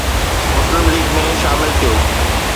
مسلم ليگ ۾ شامل ٿيو